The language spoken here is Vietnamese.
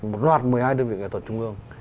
một loạt một mươi hai đơn vị nghệ thuật trung ương